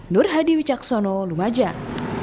nur hadi wicaksono lumajar